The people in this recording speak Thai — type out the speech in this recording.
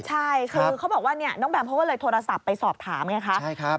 ใช่คือเขาบอกว่าน้องแบมเขาก็เลยโทรศัพท์ไปสอบถามไงคะ